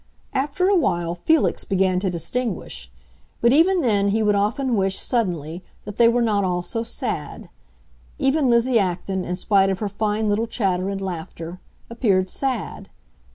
After a while Felix began to distinguish; but even then he would often wish, suddenly, that they were not all so sad. Even Lizzie Acton, in spite of her fine little chatter and laughter, appeared sad.